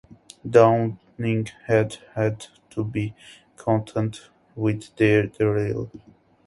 Downing had had to be content with day drill.